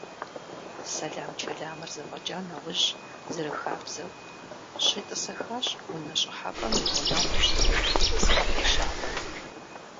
Сэлам-чэламыр зэфӀэкӀа нэужь, зэрахабзэу, щетӀысэхащ унэ щӀыхьэпӀэм и гъунэгъуу щыт тетӀысхьэпӏэ щабэм.